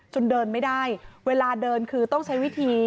เดินไม่ได้เวลาเดินคือต้องใช้วิธี